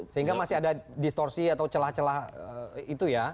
sehingga masih ada distorsi atau celah celah itu ya